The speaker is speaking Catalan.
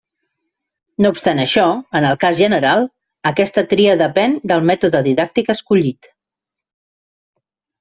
No obstant això, en el cas general, aquesta tria depèn del mètode didàctic escollit.